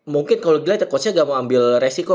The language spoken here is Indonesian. mungkin kalau dilihat coachnya gak mau ambil resiko